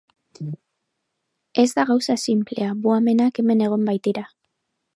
Ez da gauza sinplea, buhameak hemen egon baitira.